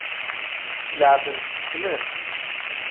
Tleεεbem-tt tessnem.